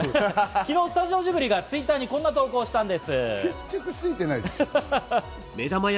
昨日、スタジオジブリがＴｗｉｔｔｅｒにこんな投稿をしたんです。